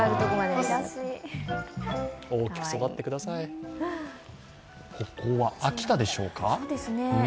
ここは秋田でしょうか。